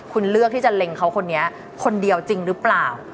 คุณเลือกที่จะเล็งเขาคนนี้คนเดียวจริงหรือเปล่า